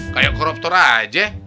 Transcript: kayak koruptor aja